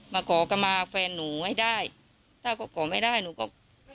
มาขอกลับมาแฟนหนูให้ได้ถ้าก็ขอไม่ได้หนูก็